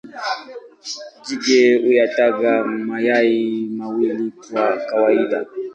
Jike huyataga mayai mawili kwa kawaida.